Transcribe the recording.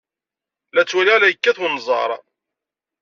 La ttwaliɣ la yekkat wenẓar.